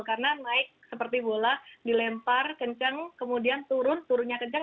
karena naik seperti bola dilempar kencang kemudian turun turunnya kencang